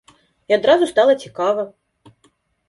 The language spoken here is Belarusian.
І адразу стала цікава.